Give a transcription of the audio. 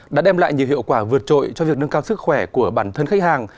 đã đem lại nhiều hiệu quả vượt trội cho việc nâng cao sức khỏe của bản thân khách hàng